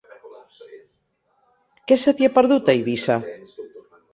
Què se t'hi ha perdut, a Eivissa?